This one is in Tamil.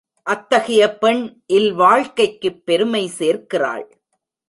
அத்தகைய பெண் இல்வாழ்க்கைக்குப் பெருமை சேர்க்கிறாள்.